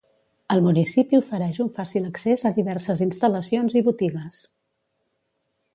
El municipi ofereix un fàcil accés a diverses instal·lacions i botigues.